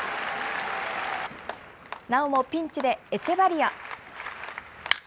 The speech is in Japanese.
なおもピンチでエチェバリア。